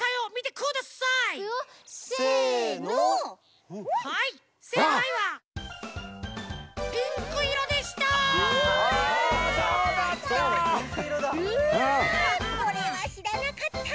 これはしらなかった。